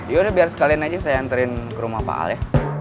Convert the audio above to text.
yaudah biar sekalian aja saya anterin ke rumah pak al ya